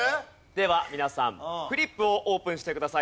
では皆さんフリップをオープンしてください。